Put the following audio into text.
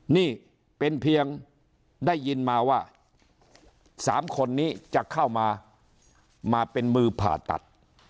นี่เป็นเพียงได้ยินมาว่า๓คนนี้จะเข้ามามาเป็นมือผ่าตัด